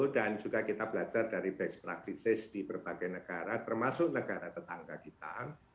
dan juga kita belajar dari best practices di berbagai negara termasuk negara tetangga kita